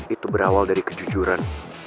itu berawal dari kejujuran